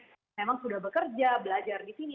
jadi memang sudah bekerja belajar di sini